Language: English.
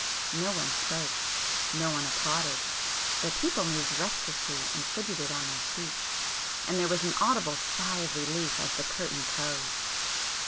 No one spoke,—no one applauded,—but people moved restlessly and fidgetted on their seats,—and there was an audible sigh of relief as the curtain closed.